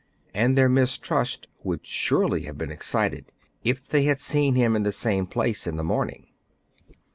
And their mis trust would surely have been excited if they had seen him in the same place in the morning.